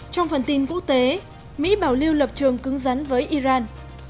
trong phần tin quốc tế mỹ bảo lưu lập trường cứng rắn với iran